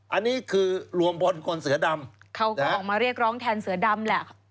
อันนี้คือรวมบอลคนเสือดำเขาก็ออกมาเรียกร้องแทนเสือดำแหละ